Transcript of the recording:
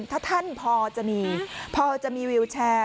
ถ้าท่านพอจะมีพอจะมีวิวแชร์